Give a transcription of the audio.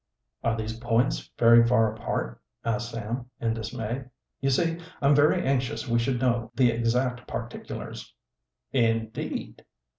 "Are these points very far apart?" asked Sam, in dismay. "You see, I'm very anxious we should know the exact particulars." "Indeed!"